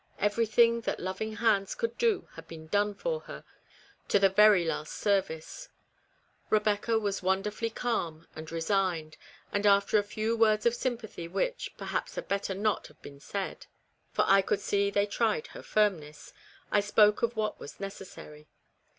Everything that loving hands could do had been done for her, to the very last service. Eebecca was wonderfully calm and resigned, and after a few words of sympathy which, perhaps, had better not have been said, for I REBECCA'S REMORSE. 225 could see they tried her firmness, I spoke of what was necessary.